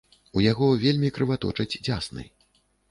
У яго вельмі крываточаць дзясны.